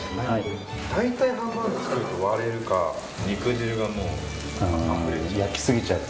大体ハンバーグ作ると割れるか肉汁があふれちゃう。